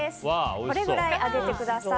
これぐらい揚げてください。